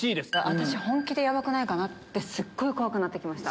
私本気でヤバくないかなってすっごい怖くなって来ました。